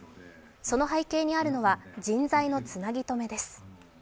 その背景にあるのは人材のつなぎ止めです。